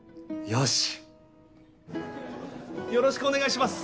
よろしくお願いします